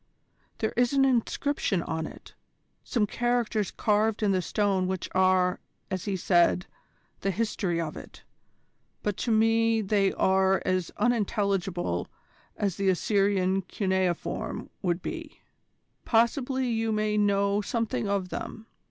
There is an inscription on it, some characters carved in the stone which are, as he said, the history of it, but to me they are as unintelligible as the Assyrian cuneiform would be. Possibly you may know something of them.